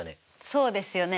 そうですよね。